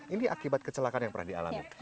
ini akibat kecelakaan yang pernah dialami